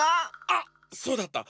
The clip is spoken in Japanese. あっそうだった！